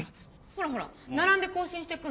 ほらほら並んで行進してくんじゃん。